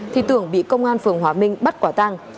thì tường bị công an phường hòa minh bắt quả tang